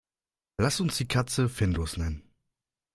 Lass uns die Katze Findus nennen.